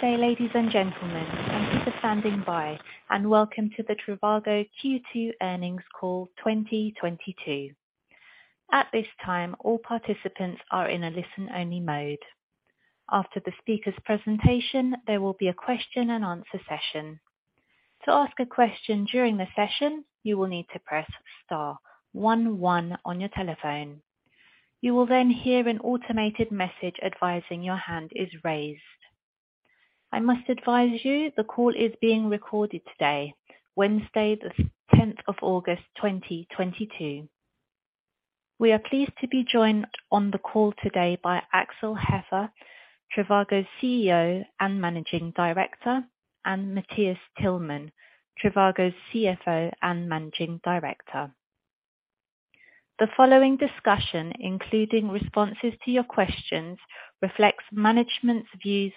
Good day, ladies and gentlemen. Thank you for standing by, and welcome to the trivago Q2 earnings call 2022. At this time, all participants are in a listen-only mode. After the speaker's presentation, there will be a question and answer session. To ask a question during the session, you will need to press star one one on your telephone. You will then hear an automated message advising your hand is raised. I must advise you the call is being recorded today, Wednesday the 10th of August 2022. We are pleased to be joined on the call today by Axel Hefer, trivago's CEO and Managing Director, and Matthias Tillmann, trivago's CFO and Managing Director. The following discussion, including responses to your questions, reflects management's views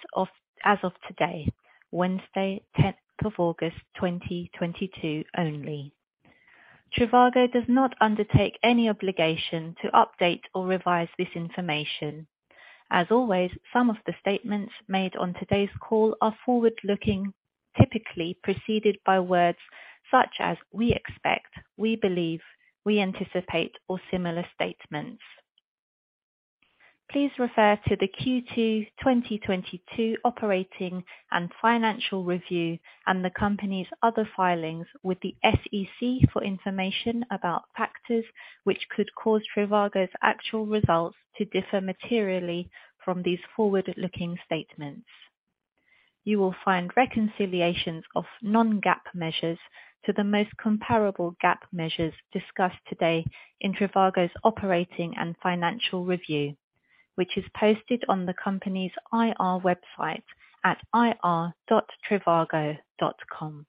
as of today, Wednesday the 10th of August 2022 only. trivago does not undertake any obligation to update or revise this information. As always, some of the statements made on today's call are forward-looking, typically preceded by words such as we expect, we believe, we anticipate, or similar statements. Please refer to the Q2 2022 operating and financial review and the company's other filings with the SEC for information about factors which could cause trivago's actual results to differ materially from these forward-looking statements. You will find reconciliations of non-GAAP measures to the most comparable GAAP measures discussed today in trivago's operating and financial review, which is posted on the company's IR website at ir.trivago.com.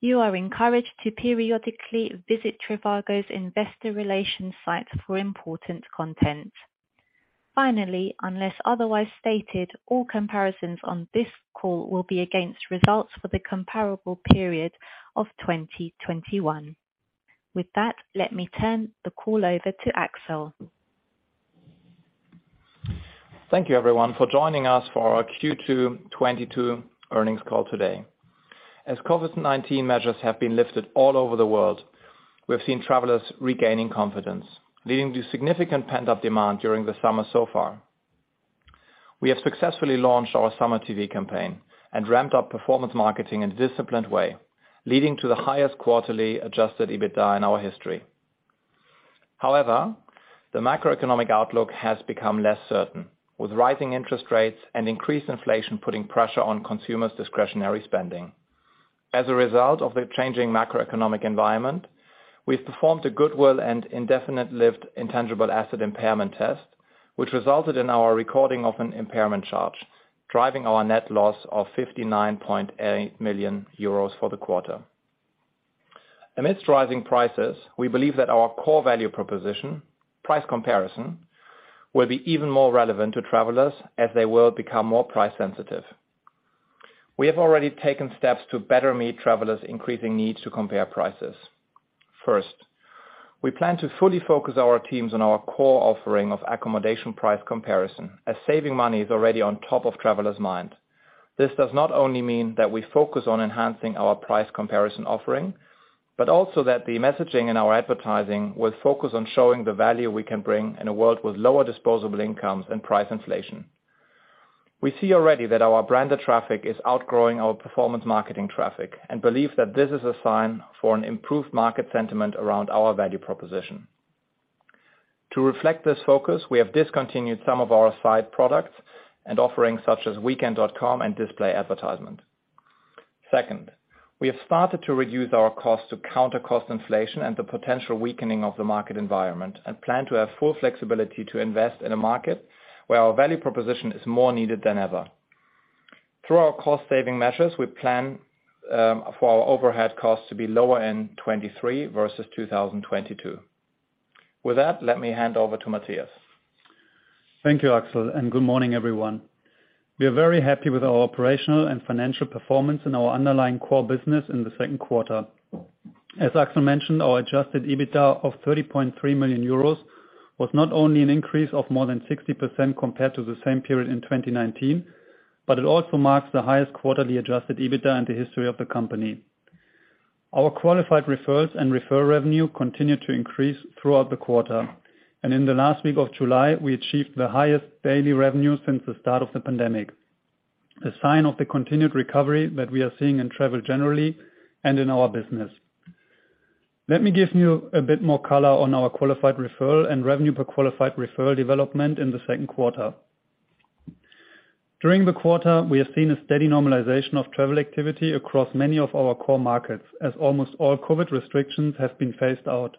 You are encouraged to periodically visit trivago's investor relations site for important content. Finally, unless otherwise stated, all comparisons on this call will be against results for the comparable period of 2021. With that, let me turn the call over to Axel. Thank you, everyone, for joining us for our Q2 2022 earnings call today. As COVID-19 measures have been lifted all over the world, we have seen travelers regaining confidence, leading to significant pent-up demand during the summer so far. We have successfully launched our summer TV campaign and ramped up performance marketing in a disciplined way, leading to the highest quarterly adjusted EBITDA in our history. However, the macroeconomic outlook has become less certain, with rising interest rates and increased inflation putting pressure on consumers' discretionary spending. As a result of the changing macroeconomic environment, we've performed a goodwill and indefinite lived intangible asset impairment test, which resulted in our recording of an impairment charge, driving our net loss of 59.8 million euros for the quarter. Amidst rising prices, we believe that our core value proposition, price comparison, will be even more relevant to travelers as they will become more price sensitive. We have already taken steps to better meet travelers' increasing need to compare prices. First, we plan to fully focus our teams on our core offering of accommodation price comparison as saving money is already on top of travelers' mind. This does not only mean that we focus on enhancing our price comparison offering, but also that the messaging in our advertising will focus on showing the value we can bring in a world with lower disposable incomes and price inflation. We see already that our branded traffic is outgrowing our performance marketing traffic and believe that this is a sign for an improved market sentiment around our value proposition. To reflect this focus, we have discontinued some of our side products and offerings such as weekend.com and display advertisement. Second, we have started to reduce our cost to counter cost inflation and the potential weakening of the market environment and plan to have full flexibility to invest in a market where our value proposition is more needed than ever. Through our cost-saving measures, we plan for our overhead costs to be lower in 2023 versus 2022. With that, let me hand over to Matthias. Thank you, Axel, and good morning, everyone. We are very happy with our operational and financial performance in our underlying core business in the second quarter. As Axel mentioned, our adjusted EBITDA of 30.3 million euros was not only an increase of more than 60% compared to the same period in 2019, but it also marks the highest quarterly adjusted EBITDA in the history of the company. Our qualified referrals and referral revenue continued to increase throughout the quarter. In the last week of July, we achieved the highest daily revenue since the start of the pandemic, a sign of the continued recovery that we are seeing in travel generally and in our business. Let me give you a bit more color on our qualified referral and revenue per qualified referral development in the second quarter. During the quarter, we have seen a steady normalization of travel activity across many of our core markets, as almost all COVID restrictions have been phased out.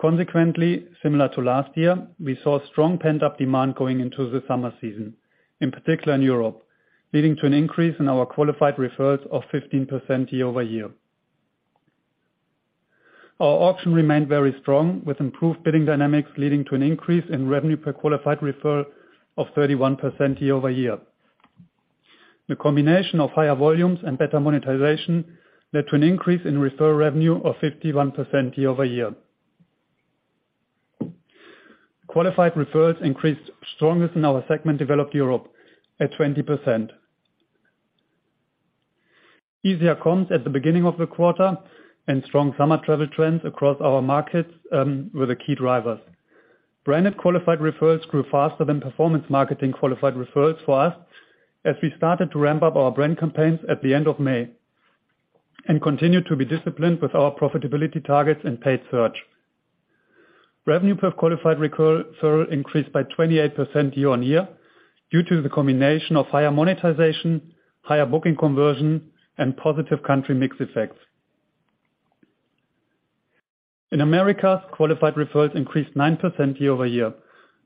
Consequently, similar to last year, we saw strong pent-up demand going into the summer season, in particular in Europe, leading to an increase in our Qualified Referrals of 15% year-over-year. Our auction remained very strong, with improved bidding dynamics leading to an increase in Revenue per Qualified Referral of 31% year-over-year. The combination of higher volumes and better monetization led to an increase in Referral Revenue of 51% year-over-year. Qualified Referrals increased strongest in our segment Developed Europe at 20%. Easier comps at the beginning of the quarter and strong summer travel trends across our markets were the key drivers. Branded qualified referrals grew faster than performance marketing qualified referrals for us as we started to ramp up our brand campaigns at the end of May, and continue to be disciplined with our profitability targets and paid search. Revenue per qualified referral increased by 28% year-over-year due to the combination of higher monetization, higher booking conversion, and positive country mix effects. In Americas, qualified referrals increased 9% year-over-year.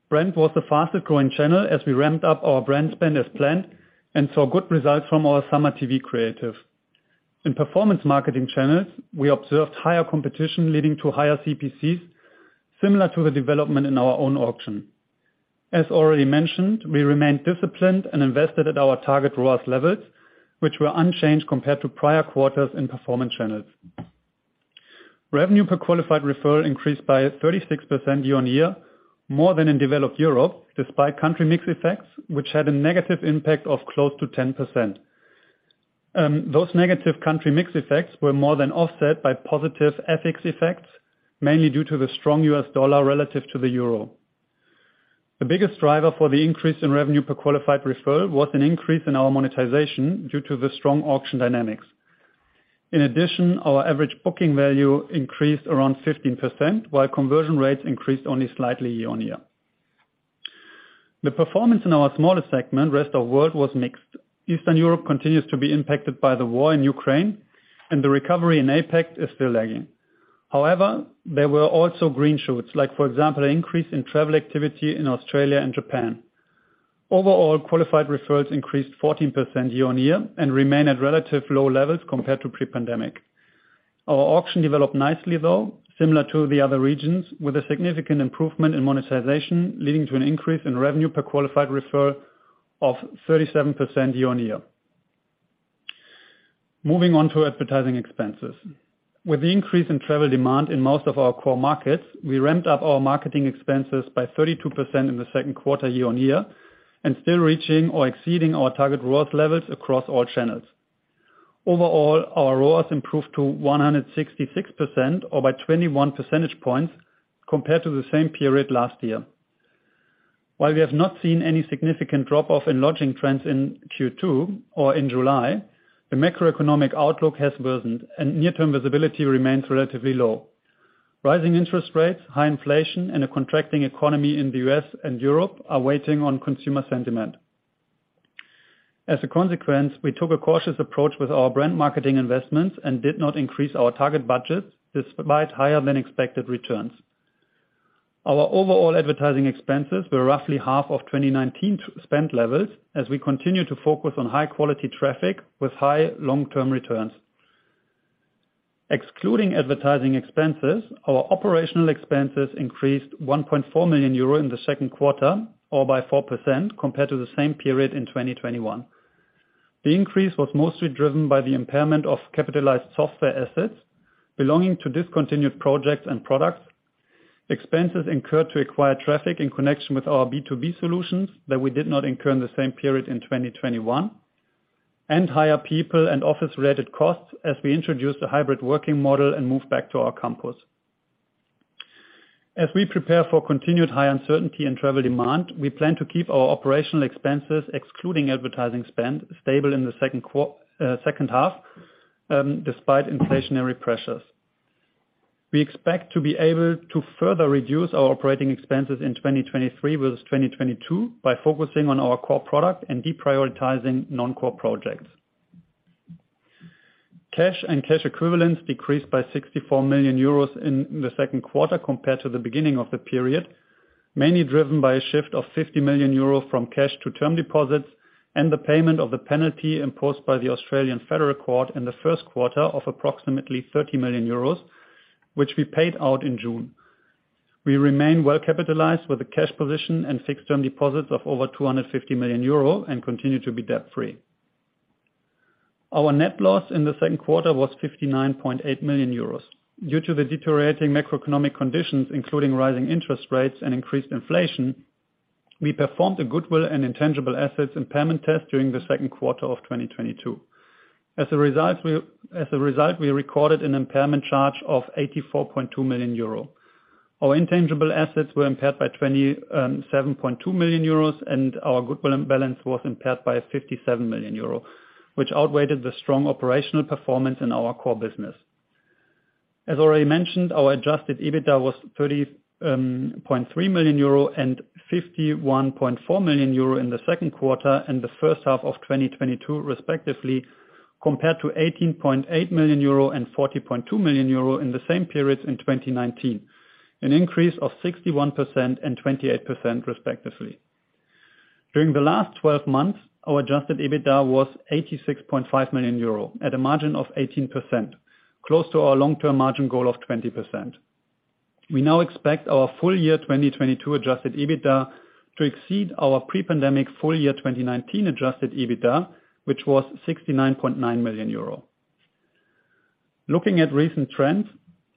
Brand was the fastest growing channel as we ramped up our brand spend as planned and saw good results from our summer TV creative. In performance marketing channels, we observed higher competition leading to higher CPCs, similar to the development in our own auction. As already mentioned, we remained disciplined and invested at our target ROAS levels, which were unchanged compared to prior quarters in performance channels. Revenue per Qualified Referral increased by 36% year-on-year, more than in Developed Europe, despite country mix effects, which had a negative impact of close to 10%. Those negative country mix effects were more than offset by positive FX effects, mainly due to the strong U.S. dollar relative to the euro. The biggest driver for the increase in Revenue per Qualified Referral was an increase in our monetization due to the strong auction dynamics. In addition, our average booking value increased around 15%, while conversion rates increased only slightly year-on-year. The performance in our smaller segment, Rest of World, was mixed. Eastern Europe continues to be impacted by the war in Ukraine, and the recovery in APAC is still lagging. However, there were also green shoots, like for example, an increase in travel activity in Australia and Japan. Overall, qualified referrals increased 14% year-on-year and remain at relatively low levels compared to pre-pandemic. Our auction developed nicely, though, similar to the other regions, with a significant improvement in monetization, leading to an increase in revenue per qualified referral of 37% year-on-year. Moving on to advertising expenses. With the increase in travel demand in most of our core markets, we ramped up our marketing expenses by 32% in the second quarter year-on-year, and still reaching or exceeding our target ROAS levels across all channels. Overall, our ROAS improved to 166% or by 21 percentage points compared to the same period last year. While we have not seen any significant drop-off in lodging trends in Q2 or in July, the macroeconomic outlook has worsened and near-term visibility remains relatively low. Rising interest rates, high inflation, and a contracting economy in the U.S. and Europe are weighing on consumer sentiment. As a consequence, we took a cautious approach with our brand marketing investments and did not increase our target budget despite higher than expected returns. Our overall advertising expenses were roughly half of 2019 spend levels as we continue to focus on high quality traffic with high long-term returns. Excluding advertising expenses, our operational expenses increased 1.4 million euro in the second quarter, or by 4% compared to the same period in 2021. The increase was mostly driven by the impairment of capitalized software assets belonging to discontinued projects and products, expenses incurred to acquire traffic in connection with our B2B solutions that we did not incur in the same period in 2021, and higher people and office-related costs as we introduced a hybrid working model and moved back to our campus. As we prepare for continued high uncertainty in travel demand, we plan to keep our operational expenses, excluding advertising spend, stable in the second half, despite inflationary pressures. We expect to be able to further reduce our operating expenses in 2023 versus 2022 by focusing on our core product and deprioritizing non-core projects. Cash and cash equivalents decreased by 64 million euros in the second quarter compared to the beginning of the period, mainly driven by a shift of 50 million euros from cash to term deposits and the payment of the penalty imposed by the Federal Court of Australia in the first quarter of approximately 30 million euros, which we paid out in June. We remain well-capitalized with a cash position and fixed term deposits of over 250 million euro and continue to be debt-free. Our net loss in the second quarter was 59.8 million euros. Due to the deteriorating macroeconomic conditions, including rising interest rates and increased inflation, we performed a goodwill and intangible assets impairment test during the second quarter of 2022. As a result, we recorded an impairment charge of 84.2 million euro. Our intangible assets were impaired by 27.2 million euros, and our goodwill was impaired by 57 million euro, which outweighed the strong operational performance in our core business. As already mentioned, our adjusted EBITDA was 30.3 million euro and 51.4 million euro in the second quarter and the first half of 2022 respectively, compared to 18.8 million euro and 40.2 million euro in the same periods in 2019. An increase of 61% and 28% respectively. During the last twelve months, our adjusted EBITDA was 86.5 million euro at a margin of 18%, close to our long-term margin goal of 20%. We now expect our full-year 2022 adjusted EBITDA to exceed our pre-pandemic full-year 2019 adjusted EBITDA, which was 69.9 million euro. Looking at recent trends,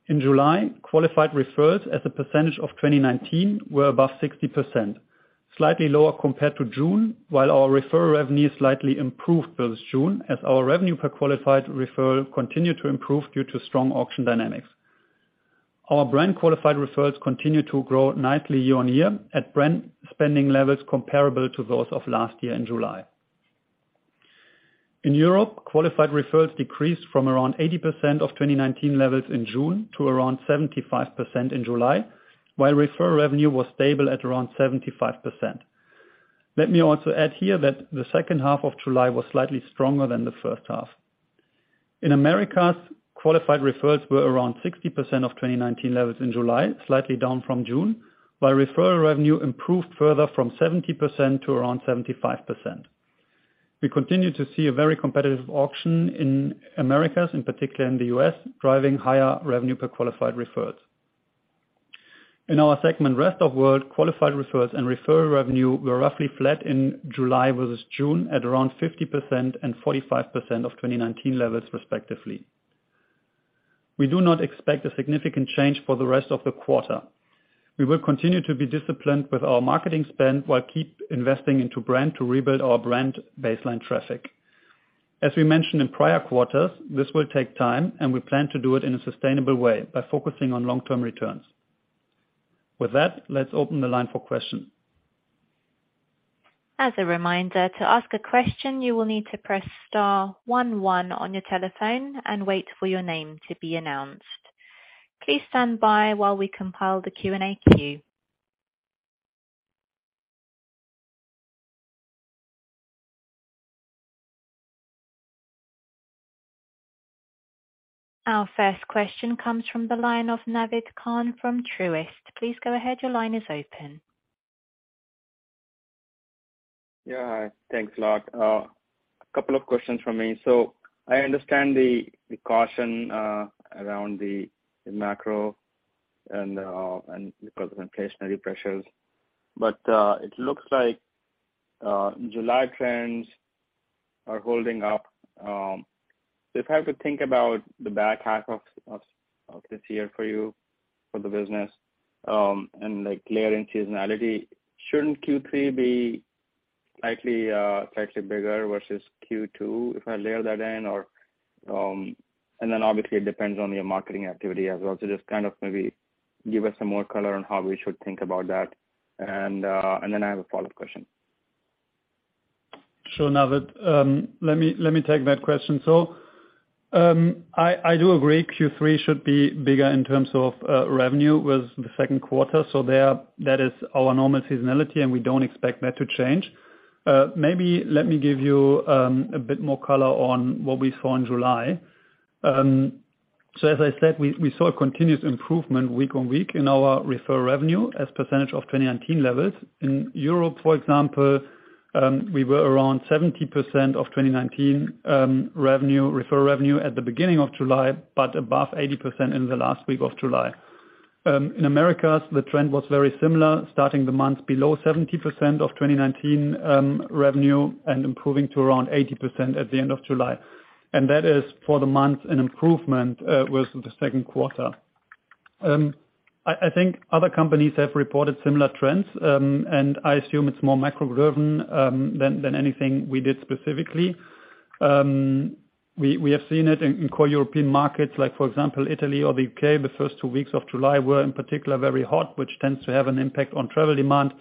in July, qualified referrals as a percentage of 2019 were above 60%, slightly lower compared to June, while our referral revenue slightly improved versus June as our revenue per qualified referral continued to improve due to strong auction dynamics. Our brand qualified referrals continue to grow month-over-month, year-over-year at brand spending levels comparable to those of last year in July. In Europe, qualified referrals decreased from around 80% of 2019 levels in June to around 75% in July, while referral revenue was stable at around 75%. Let me also add here that the second half of July was slightly stronger than the first half. In the Americas, Qualified Referrals were around 60% of 2019 levels in July, slightly down from June, while Referral Revenue improved further from 70% to around 75%. We continue to see a very competitive auction in the Americas, in particular in the U.S., driving higher revenue per Qualified Referrals. In our segment, Rest of World, Qualified Referrals and Referral Revenue were roughly flat in July versus June at around 50% and 45% of 2019 levels respectively. We do not expect a significant change for the rest of the quarter. We will continue to be disciplined with our marketing spend, while we keep investing in brand to rebuild our brand baseline traffic. As we mentioned in prior quarters, this will take time, and we plan to do it in a sustainable way by focusing on long-term returns. With that, let's open the line for questions. As a reminder, to ask a question, you will need to press star one one on your telephone and wait for your name to be announced. Please stand by while we compile the Q&A queue. Our first question comes from the line of Naved Khan from Truist. Please go ahead. Your line is open. Yeah. Thanks a lot. A couple of questions from me. I understand the caution around the macro and because of inflationary pressures. It looks like July trends are holding up. If I have to think about the back half of this year for you, for the business, and like layer in seasonality, shouldn't Q3 be slightly bigger versus Q2 if I layer that in? Or, and then obviously it depends on your marketing activity as well. Just kind of maybe give us some more color on how we should think about that. I have a follow-up question. Sure, Naved. Let me take that question. I do agree Q3 should be bigger in terms of revenue with the second quarter. That is our normal seasonality, and we don't expect that to change. Maybe let me give you a bit more color on what we saw in July. As I said, we saw a continuous improvement week on week in our referral revenue as percentage of 2019 levels. In Europe, for example, we were around 70% of 2019 referral revenue at the beginning of July, but above 80% in the last week of July. In Americas, the trend was very similar, starting the month below 70% of 2019 revenue and improving to around 80% at the end of July. That is for the month an improvement with the second quarter. I think other companies have reported similar trends, and I assume it's more macro driven than anything we did specifically. We have seen it in core European markets like for example, Italy or the U.K.. The first two weeks of July were in particular very hot, which tends to have an impact on travel demand.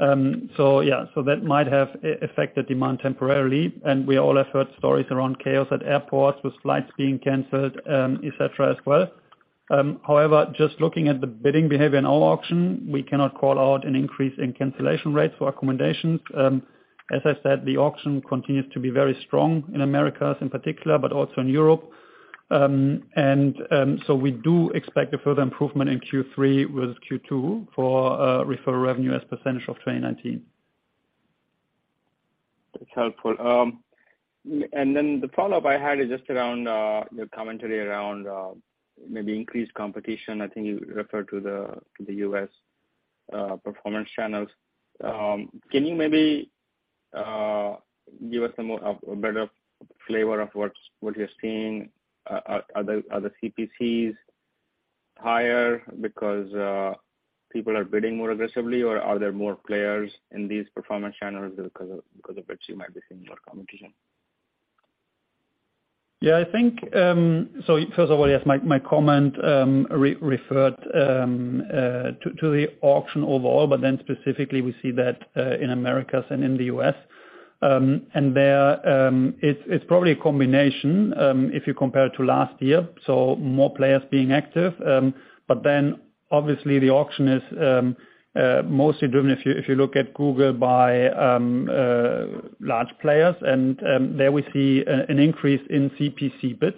So yeah, so that might have affected demand temporarily, and we all have heard stories around chaos at airports with flights being canceled, et cetera as well. However, just looking at the bidding behavior in our auction, we cannot call out an increase in cancellation rates for accommodations. As I said, the auction continues to be very strong in Americas in particular, but also in Europe. We do expect a further improvement in Q3 with Q2 for Referral Revenue as percentage of 2019. That's helpful. The follow-up I had is just around your commentary around maybe increased competition. I think you referred to the U.S. performance channels. Can you maybe give us a better flavor of what you're seeing? Are the CPCs higher because people are bidding more aggressively or are there more players in these performance channels because of which you might be seeing more competition? Yeah, I think, first of all, yes, my comment referred to the auction overall, but then specifically we see that in Americas and in the U.S.. There, it's probably a combination if you compare to last year, so more players being active. Obviously the auction is mostly driven if you look at Google by large players and there we see an increase in CPC bids.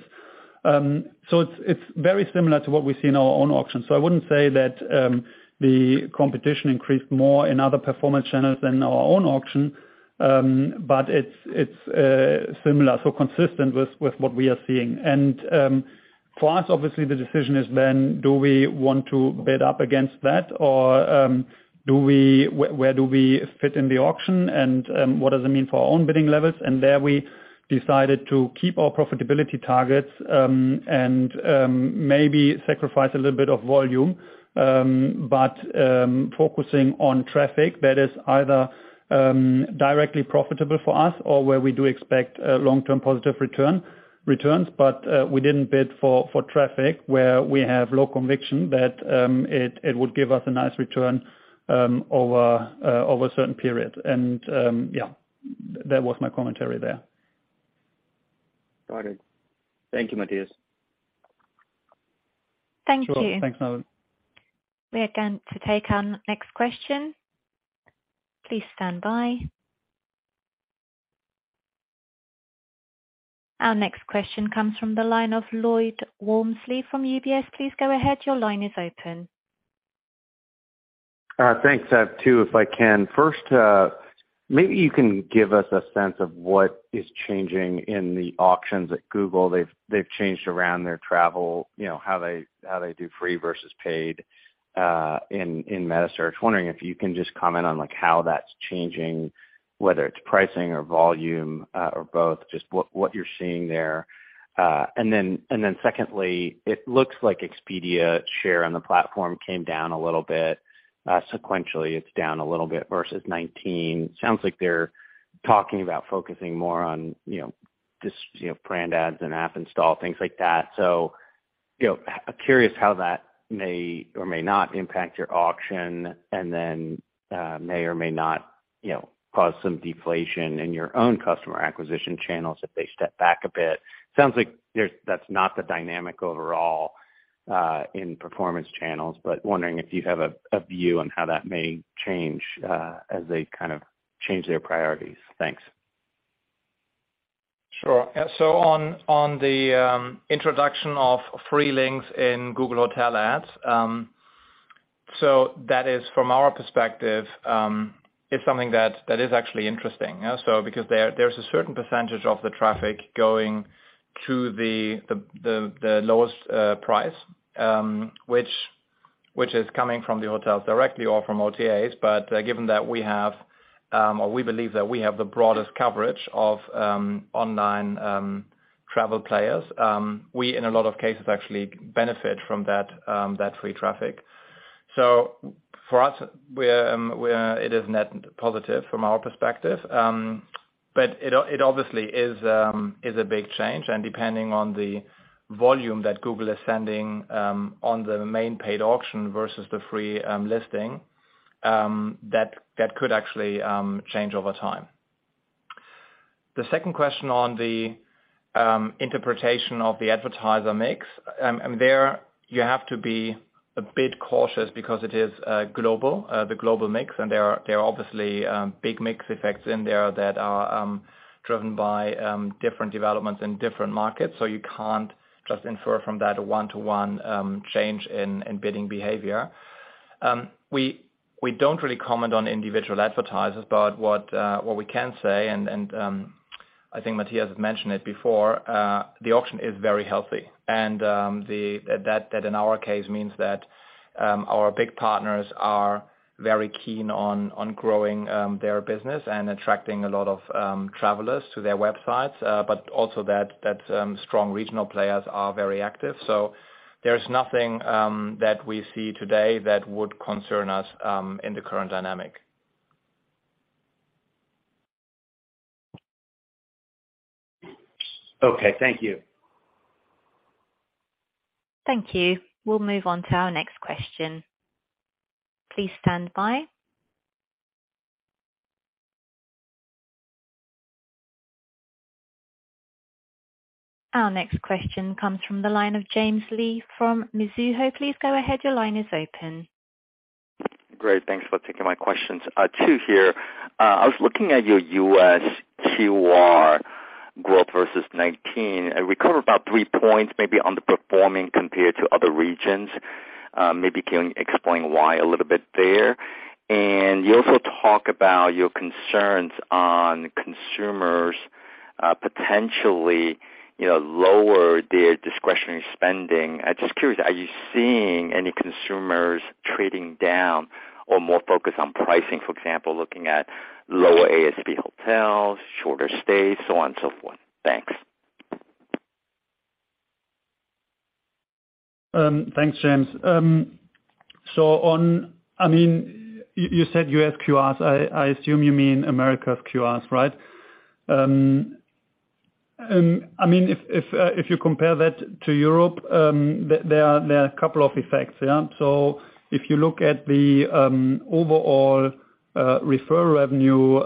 It's very similar to what we see in our own auction. I wouldn't say that the competition increased more in other performance channels than our own auction. But it's similar, consistent with what we are seeing. For us, obviously the decision is then do we want to bid up against that or where do we fit in the auction? What does it mean for our own bidding levels? There we decided to keep our profitability targets and maybe sacrifice a little bit of volume. Focusing on traffic that is either directly profitable for us or where we do expect a long-term positive return. We didn't bid for traffic where we have low conviction that it would give us a nice return over a certain period. Yeah, that was my commentary there. Got it. Thank you, Matthias. Thank you. Sure. Thanks, Naved. We are going to take our next question. Please stand by. Our next question comes from the line of Lloyd Walmsley from UBS. Please go ahead. Your line is open. Thanks. I have two, if I can. First, maybe you can give us a sense of what is changing in the auctions at Google. They've changed around their travel, you know, how they do free versus paid, in metasearch. Wondering if you can just comment on, like, how that's changing, whether it's pricing or volume, or both, just what you're seeing there. Then secondly, it looks like Expedia share on the platform came down a little bit. Sequentially, it's down a little bit versus 2019. Sounds like they're talking about focusing more on, you know, just, you know, brand ads and app install, things like that. You know, curious how that may or may not impact your auction and then may or may not, you know, cause some deflation in your own customer acquisition channels if they step back a bit. Sounds like that's not the dynamic overall in performance channels, but wondering if you have a view on how that may change as they kind of change their priorities. Thanks. Sure. Yeah, on the introduction of free links in Google Hotel Ads, that is from our perspective, it's something that is actually interesting. Yeah, because there's a certain percentage of the traffic going to the lowest price, which is coming from the hotels directly or from OTAs. Given that we believe that we have the broadest coverage of online travel players, we in a lot of cases actually benefit from that free traffic. For us, it is net positive from our perspective. It obviously is a big change. Depending on the volume that Google is sending, on the main paid auction versus the free listing, that could actually change over time. The second question on the interpretation of the advertiser mix, there you have to be a bit cautious because it is global, the global mix, and there are obviously big mix effects in there that are driven by different developments in different markets, so you can't just infer from that a one-to-one change in bidding behavior. We don't really comment on individual advertisers, but what we can say and I think Matthias has mentioned it before, the auction is very healthy. That in our case means that our big partners are very keen on growing their business and attracting a lot of travelers to their websites, but also that strong regional players are very active. There's nothing that we see today that would concern us in the current dynamic. Okay, thank you. Thank you. We'll move on to our next question. Please stand by. Our next question comes from the line of James Lee from Mizuho. Please go ahead. Your line is open. Great. Thanks for taking my questions, two here. I was looking at your U.S. QR growth versus 2019. It recovered about three points maybe underperforming compared to other regions. Maybe can you explain why a little bit there? You also talk about your concerns on consumers, potentially, you know, lower their discretionary spending. I'm just curious, are you seeing any consumers trading down or more focused on pricing, for example, looking at lower star hotels, shorter stays, so on and so forth? Thanks. Thanks, James. I mean, you said U.S. QRs. I assume you mean America QRs, right? I mean, if you compare that to Europe, there are a couple of effects, yeah? If you look at the overall referral revenue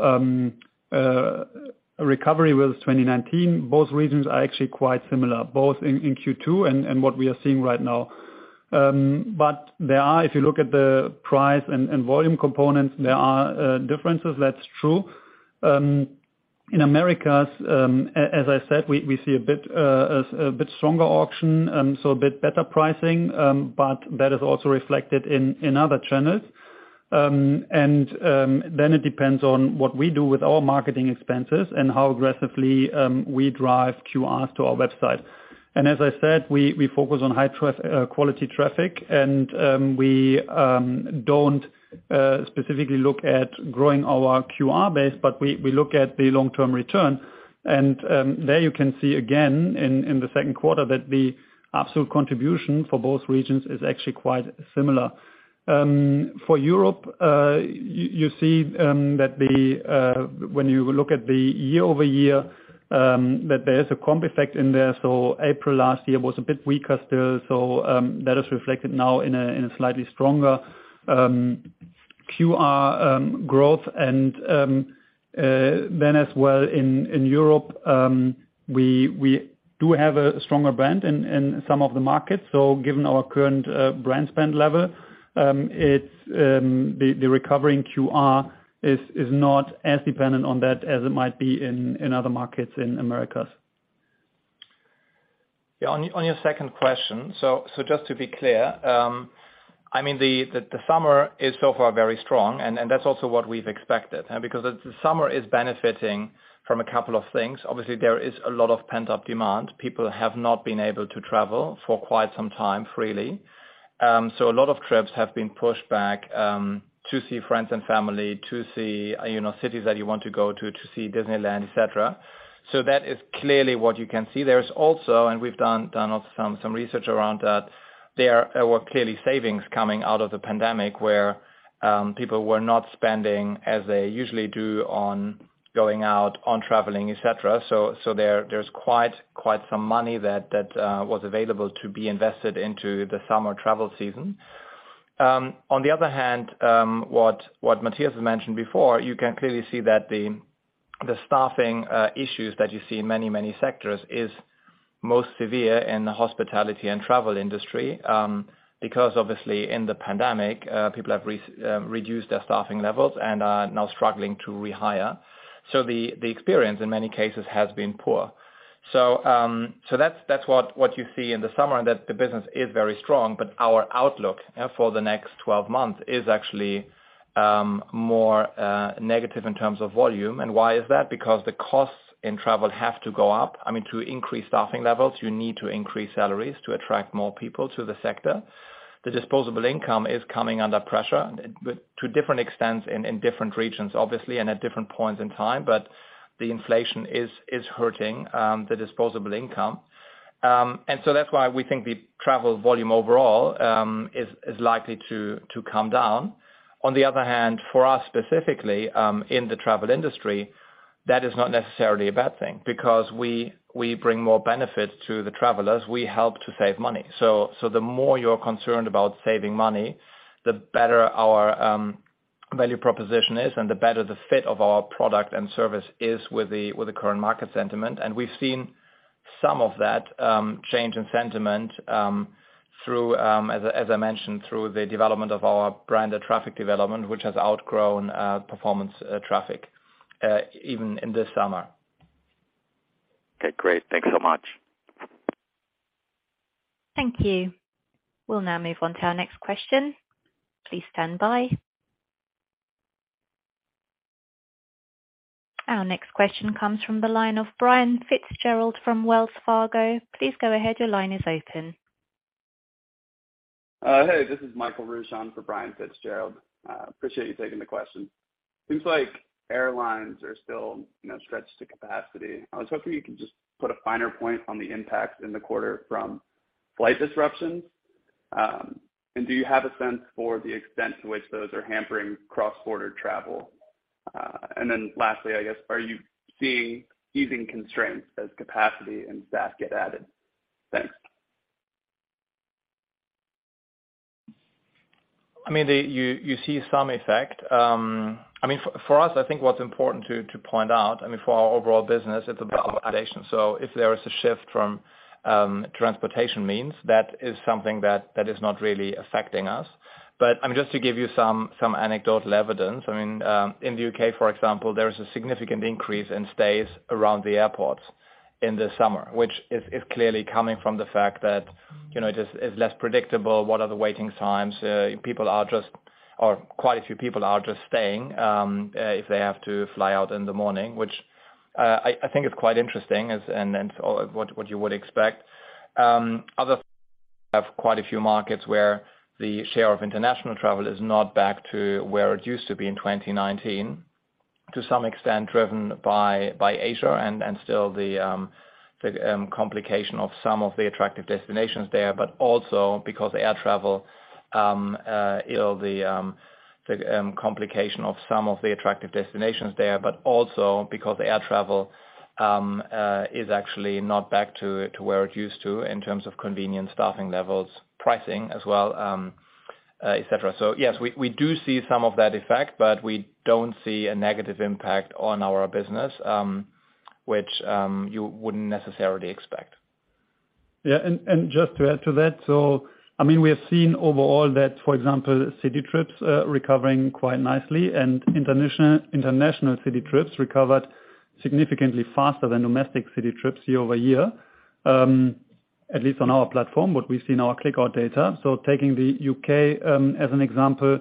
recovery with 2019, both regions are actually quite similar, both in Q2 and what we are seeing right now. If you look at the price and volume components, there are differences, that's true. In Americas, as I said, we see a bit stronger auction, so a bit better pricing, but that is also reflected in other channels. Then it depends on what we do with our marketing expenses and how aggressively we drive QRs to our website. As I said, we focus on high quality traffic and we don't specifically look at growing our QR base, but we look at the long-term return. There you can see again in the second quarter that the absolute contribution for both regions is actually quite similar. For Europe, you see that when you look at the year-over-year, that there is a comp effect in there. April last year was a bit weaker still. That is reflected now in a slightly stronger QR growth and then as well in Europe we do have a stronger brand in some of the markets. Given our current brand spend level, it's the recovering QR is not as dependent on that as it might be in other markets in Americas. Yeah. On your second question, just to be clear, I mean, the summer is so far very strong and that's also what we've expected, because the summer is benefiting from a couple of things. Obviously, there is a lot of pent-up demand. People have not been able to travel for quite some time freely. A lot of trips have been pushed back, to see friends and family, to see, you know, cities that you want to go to see Disneyland, et cetera. That is clearly what you can see. There's also and we've done also some research around that, there were clearly savings coming out of the pandemic where people were not spending as they usually do on going out, on traveling, et cetera. There is quite some money that was available to be invested into the summer travel season. On the other hand, what Matthias has mentioned before, you can clearly see that the staffing issues that you see in many sectors is most severe in the hospitality and travel industry, because obviously in the pandemic, people have reduced their staffing levels and are now struggling to rehire. The experience in many cases has been poor. That's what you see in the summer, and that the business is very strong, but our outlook for the next 12 months is actually more negative in terms of volume. Why is that? Because the costs in travel have to go up. I mean, to increase staffing levels, you need to increase salaries to attract more people to the sector. The disposable income is coming under pressure with to different extents in different regions, obviously, and at different points in time. The inflation is hurting the disposable income. That's why we think the travel volume overall is likely to come down. On the other hand, for us specifically in the travel industry, that is not necessarily a bad thing because we bring more benefits to the travelers. We help to save money. The more you're concerned about saving money, the better our value proposition is and the better the fit of our product and service is with the current market sentiment. We've seen some of that change in sentiment, as I mentioned, through the development of our branded traffic development, which has outgrown performance traffic even in this summer. Okay, great. Thanks so much. Thank you. We'll now move on to our next question. Please stand by. Our next question comes from the line of Brian Fitzgerald from Wells Fargo. Please go ahead. Your line is open. Hey, this is Michael Rochon for Brian Fitzgerald. Appreciate you taking the question. Seems like airlines are still, you know, stretched to capacity. I was hoping you could just put a finer point on the impact in the quarter from flight disruptions. Do you have a sense for the extent to which those are hampering cross-border travel? Then lastly, I guess, are you seeing easing constraints as capacity and staff get added? Thanks. I mean, you see some effect. I mean, for us, I think what's important to point out, I mean, for our overall business, it's about valuation. If there is a shift from transportation means, that is something that is not really affecting us. I mean, just to give you some anecdotal evidence, I mean, in the U.K., for example, there is a significant increase in stays around the airports in the summer, which is clearly coming from the fact that you know, just is less predictable what are the waiting times. People are just, or quite a few people are just staying if they have to fly out in the morning, which I think is quite interesting as and then, or what you would expect. We have quite a few markets where the share of international travel is not back to where it used to be in 2019 to some extent driven by Asia and still the complication of some of the attractive destinations there, but also because air travel is actually not back to where it used to in terms of convenience, staffing levels, pricing as well, et cetera. Yes, we do see some of that effect, but we don't see a negative impact on our business, which you wouldn't necessarily expect. Yeah, just to add to that, I mean, we have seen overall that, for example, city trips recovering quite nicely and international city trips recovered significantly faster than domestic city trips year-over-year, at least on our platform. We've seen our click-out data. Taking the U.K. as an example,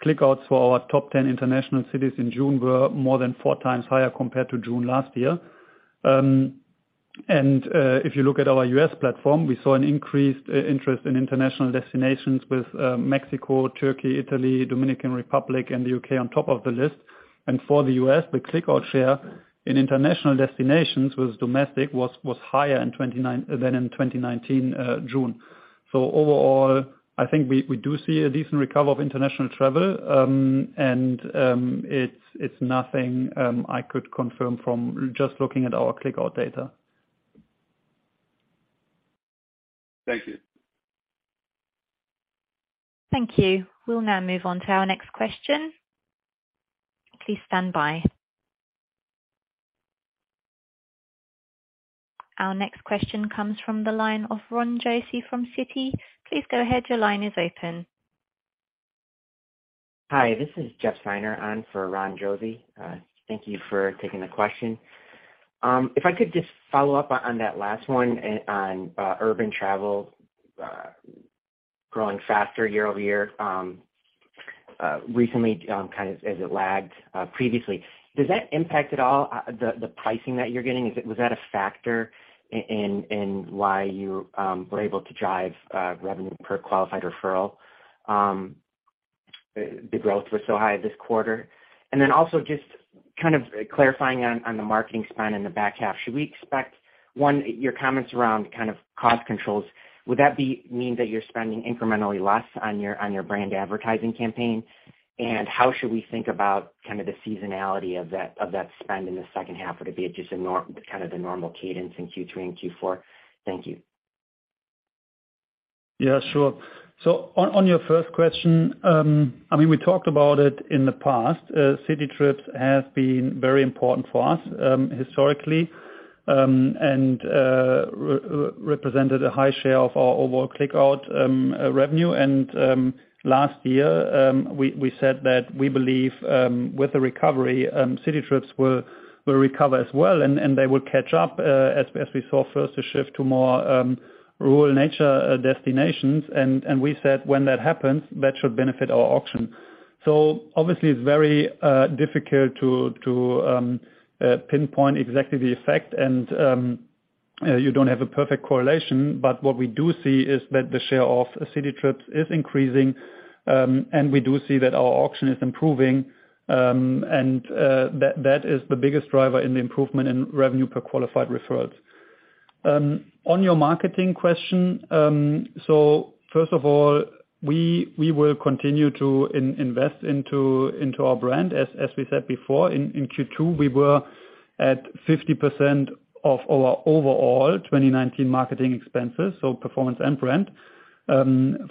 click-outs for our top 10 international cities in June were more than 4 times higher compared to June last year. If you look at our U.S. platform, we saw an increased interest in international destinations with Mexico, Turkey, Italy, Dominican Republic, and the U.K. on top of the list. For the U.S., the click-out share in international destinations was higher than in June 2019. Overall, I think we do see a decent recovery of international travel, and it's something I could confirm from just looking at our click-out data. Thank you. Thank you. We'll now move on to our next question. Please stand by. Our next question comes from the line of Ronald Josey from Citi. Please go ahead. Your line is open. Hi, this is Jeff Seiner on for Ronald Josey. Thank you for taking the question. If I could just follow up on that last one on urban travel growing faster year-over-year recently, kind of as it lagged previously. Does that impact at all the pricing that you're getting? Was that a factor in why you were able to drive revenue per qualified referral? The growth was so high this quarter. Also just kind of clarifying on the marketing spend in the back half. Should we expect, one, your comments around kind of cost controls would that mean that you're spending incrementally less on your brand advertising campaign? How should we think about kind of the seasonality of that spend in the second half? Or would it be just kind of the normal cadence in Q3 and Q4? Thank you. Yeah, sure. On your first question, I mean, we talked about it in the past. City trips have been very important for us, historically, and represented a high share of our overall click-out revenue. Last year, we said that we believe with the recovery, city trips will recover as well, and they will catch up, as we saw first a shift to more rural nature destinations. And we said when that happens, that should benefit our auction. Obviously, it's very difficult to pinpoint exactly the effect and you don't have a perfect correlation. What we do see is that the share of city trips is increasing, and we do see that our auction is improving, and that is the biggest driver in the improvement in revenue per qualified referrals. On your marketing question, first of all, we will continue to invest into our brand. As we said before, in Q2, we were at 50% of our overall 2019 marketing expenses, so performance and brand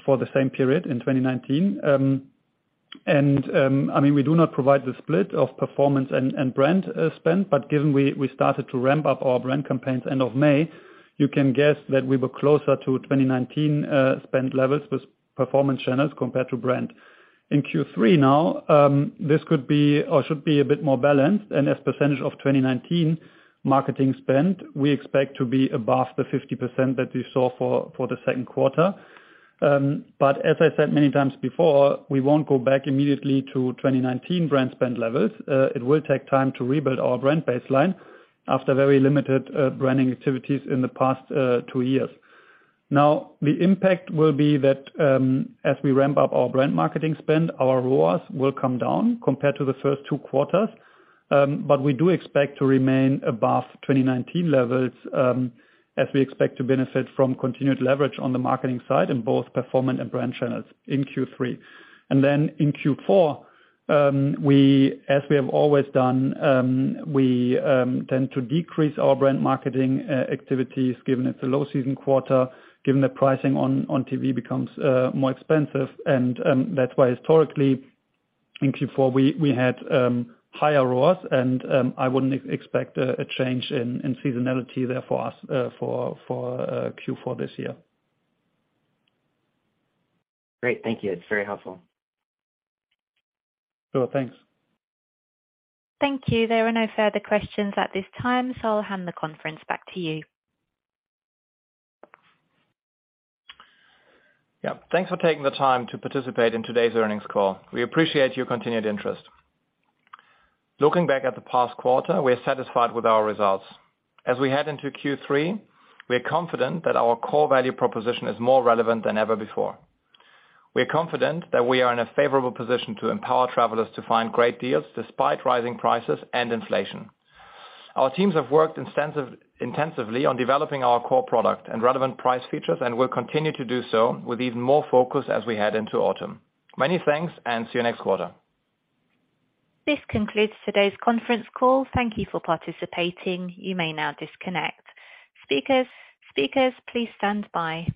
for the same period in 2019. I mean, we do not provide the split of performance and brand spend, but given we started to ramp up our brand campaigns end of May, you can guess that we were closer to 2019 spend levels with performance channels compared to brand. In Q3 now, this could be or should be a bit more balanced. As percentage of 2019 marketing spend, we expect to be above the 50% that we saw for the second quarter. But as I said many times before, we won't go back immediately to 2019 brand spend levels. It will take time to rebuild our brand baseline after very limited branding activities in the past two years. Now, the impact will be that as we ramp up our brand marketing spend, our ROAS will come down compared to the first two quarters. We do expect to remain above 2019 levels as we expect to benefit from continued leverage on the marketing side in both performance and brand channels in Q3.In Q4, we as we have always done tend to decrease our brand marketing activities given it's a low season quarter, given the pricing on TV becomes more expensive. That's why historically in Q4 we had higher ROAS and I wouldn't expect a change in seasonality there for us for Q4 this year. Great. Thank you. It's very helpful. Sure. Thanks. Thank you. There are no further questions at this time, so I'll hand the conference back to you. Yeah. Thanks for taking the time to participate in today's earnings call. We appreciate your continued interest. Looking back at the past quarter, we're satisfied with our results. As we head into Q3, we're confident that our core value proposition is more relevant than ever before. We're confident that we are in a favorable position to empower travelers to find great deals despite rising prices and inflation. Our teams have worked intensively on developing our core product and relevant price features and will continue to do so with even more focus as we head into autumn. Many thanks, and see you next quarter. This concludes today's conference call. Thank you for participating. You may now disconnect. Speakers, please stand by.